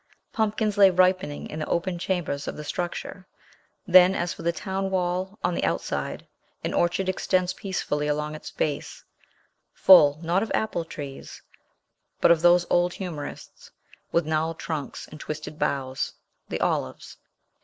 Pumpkins lay ripening in the open chambers of the structure. Then, as for the town wall, on the outside an orchard extends peacefully along its base, full, not of apple trees, but of those old humorists with gnarled trunks and twisted boughs, the olives.